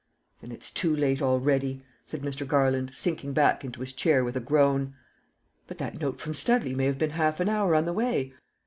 "Then it's too late already," said Mr. Garland, sinking back into his chair with a groan. "But that note from Studley may have been half an hour on the way."